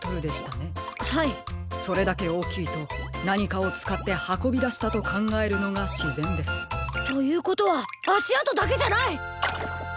それだけおおきいとなにかをつかってはこびだしたとかんがえるのがしぜんです。ということはあしあとだけじゃない！